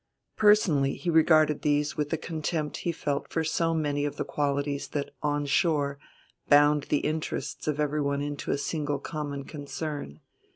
Personally he regarded these with the contempt he felt for so many of the qualities that on shore bound the interests of everyone into a single common concern.